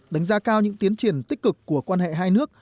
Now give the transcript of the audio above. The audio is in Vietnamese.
đánh giá cao những tiến triển tích cực của quan hệ hai nước